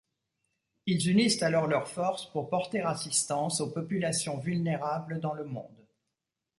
Ils unissent alors leurs forces pour porter assistance aux populations vulnérables dans le monde.